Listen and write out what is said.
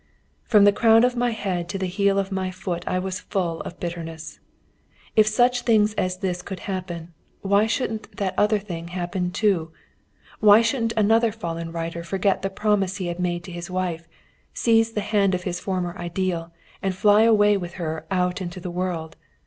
From the crown of my head to the heel of my foot I was full of bitterness. If such a thing as this could happen, why shouldn't that other thing happen, too? Why shouldn't another fallen writer forget the promise he had made to his wife, seize the hand of his former ideal, and fly away with her out into the world?